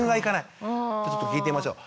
じゃあちょっと聞いてみましょう。